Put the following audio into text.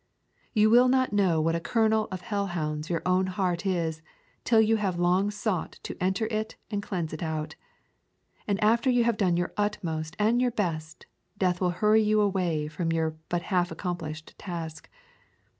You will not know what a kennel of hell hounds your own heart is till you have long sought to enter it and cleanse it out. And after you have done your utmost, and your best, death will hurry you away from your but half accomplished task.